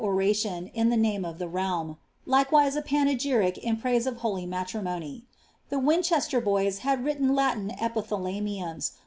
oration in the name of the realm, likewise a panegyiio in piaiae of holy malrimoRf. The Winchester boys had written Latin epiihalamiums.